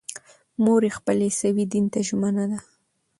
مور یې خپل عیسوي دین ته ژمنه ده.